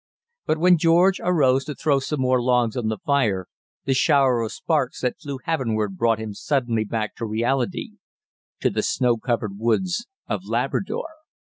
But when George arose to throw some more logs on the fire, the shower of sparks that flew heavenward brought him suddenly back to reality to the snow covered woods of Labrador.